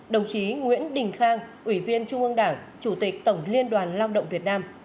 đồng chí nguyễn đình khang ủy viên trung ương đảng chủ tịch tổng liên đoàn lao động việt nam